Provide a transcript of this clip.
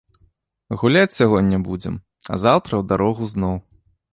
Гуляць сягоння будзем, а заўтра ў дарогу зноў.